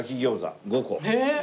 えっ！